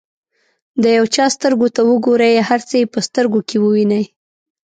د یو چا سترګو ته وګورئ هر څه یې په سترګو کې ووینئ.